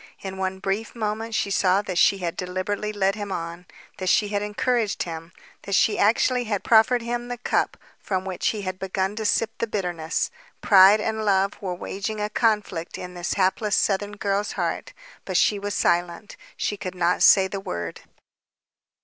In one brief moment she saw that she had deliberately led him on, that she had encouraged him, that she actually had proffered him the cup from which he had begun to sip the bitterness. Pride and love were waging a conflict in this hapless southern girl's heart. But she was silent. She could not say the word.